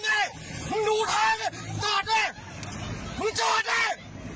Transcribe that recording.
ทำไมดูทางดูทางจอดดิมึงจอดดิ